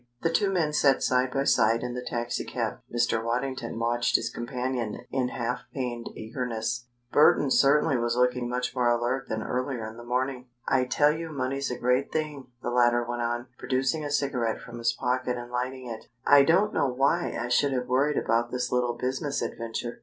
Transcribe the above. The two men sat side by side in the taxicab. Mr. Waddington watched his companion in half pained eagerness. Burton certainly was looking much more alert than earlier in the morning. "I tell you money's a great thing," the latter went on, producing a cigarette from his pocket and lighting it. "I don't know why I should have worried about this little business adventure.